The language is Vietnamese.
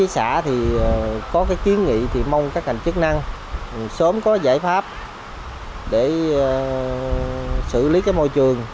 chúng tôi mong các hành chức năng sớm có giải pháp để xử lý môi trường